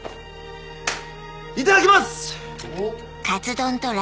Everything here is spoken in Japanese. いただきます！